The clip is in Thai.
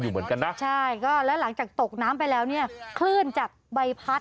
ใช่เพราะก่อนตกเขาจะคว้าไปทางจากเรือด้านซ้าย